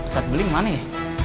saat beli mana ya